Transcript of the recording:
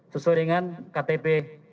sesuai dengan ktp